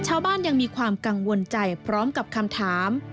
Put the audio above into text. ยังมีความกังวลใจพร้อมกับคำถาม